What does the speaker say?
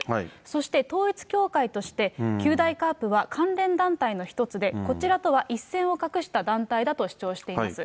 そして、統一教会として、九大ＣＡＲＰは関連団体の一つで、こちらとは一線を画した団体だと主張しています。